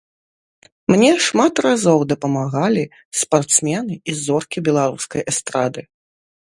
Мне шмат разоў дапамагалі спартсмены і зоркі беларускай эстрады.